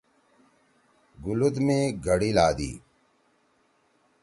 گُلُوت می گھڑی لھادی۔